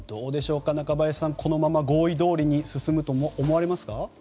中林さんこのまま合意どおりに進むと思われますか。